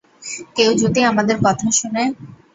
কেউ যদি আমাদের কথা শুনে?